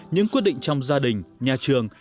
những quy định trong gia đình nhà trường